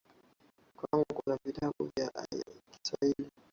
Kwangu kuna vitabu vingi vya kiswahili.